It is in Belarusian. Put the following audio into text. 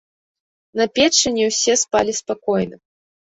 На печы не ўсе спалі спакойна.